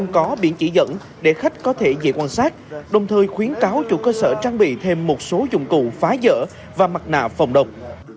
có biển chỉ dẫn để khách có thể dễ quan sát đồng thời khuyến cáo chủ cơ sở trang bị thêm một số dụng cụ phá dỡ và mặt nạ phòng độc